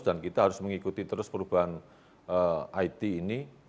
dan kita harus mengikuti terus perubahan it ini